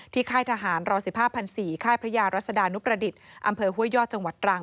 ค่ายทหารร๑๕๔ค่ายพระยารัศดานุประดิษฐ์อำเภอห้วยยอดจังหวัดตรัง